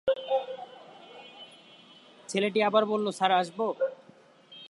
ছেলেটি আবার বলল, স্যার, আসব?